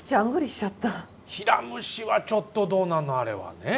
ヒラムシはちょっとどうなのあれはね？